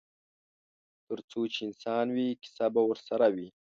ترڅو چې انسان وي کیسه به ورسره وي.